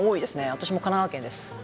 私も神奈川県です。